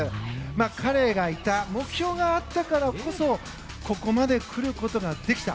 彼がいた目標があったからこそここまで来ることができた。